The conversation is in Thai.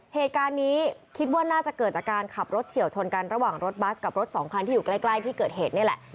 เหตุการณ์นี้คิดว่าน่าจะเกิดจากการขับรถเฉียวชนกันระหว่างรถบัสกับรถสองคันที่อยู่ใกล้ที่เกิดเหตุนี่แหละ